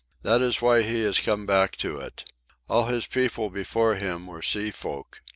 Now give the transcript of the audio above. That is why he has come back to it. All his people before him were sea folk.